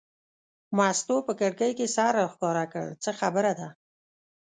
مستو په کړکۍ کې سر راښکاره کړ: څه خبره ده.